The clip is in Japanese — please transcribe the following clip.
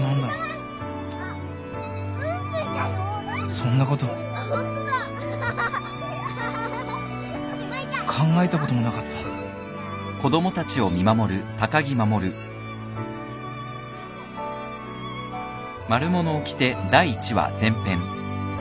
そんなこと考えたこともなかったじゃしり取り。